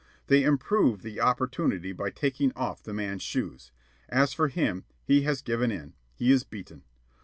They improve the opportunity by taking off the man's shoes. As for him, he has given in. He is beaten.